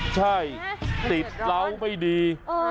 ใช่ติดเหล้าไม่ดี